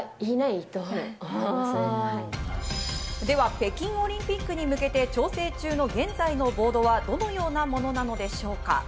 では北京オリンピックに向けて調整中の現在のボードはどのようなものなのでしょうか。